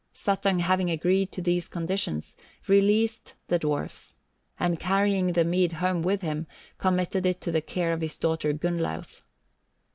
Suttung having agreed to these conditions, released the dwarfs, and carrying the mead home with him, committed it to the care of his daughter Gunnlauth.